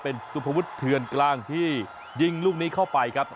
เป็นสุภวุฒิเทือนกลางที่ยิงลูกนี้เข้าไปครับ